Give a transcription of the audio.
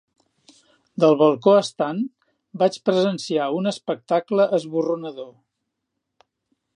Del balcó estant vaig presenciar un espectacle esborronador.